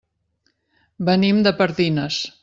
Venim de Pardines.